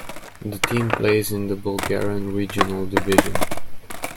The team plays in the Bulgarian Regional Division.